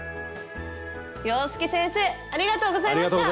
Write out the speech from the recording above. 洋輔先生ありがとうございました！